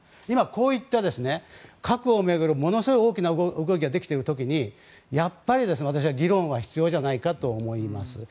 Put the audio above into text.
今、こういった核を巡るものすごい大きな動きができている時にやっぱり私は議論は必要じゃないかなと思います。